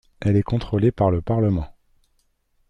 Elle est contrôlée par le parlement.